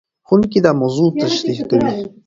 ښوونکي دا موضوع تشريح کوي.